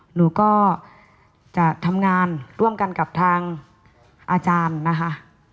หนูก็จะทำงานร่วมกันกับทางอาจารย์นะคะ